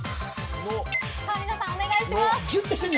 皆さんお願いします。